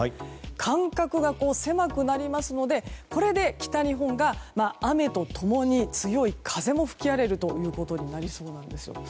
間隔が狭くなりますのでこれで北日本が雨と共に強い風も吹き荒れるということになりそうです。